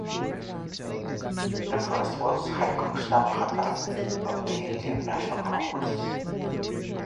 The first was Harekrushna Mahatab of the Indian National Congress.